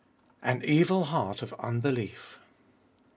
An evil heart of unbelief.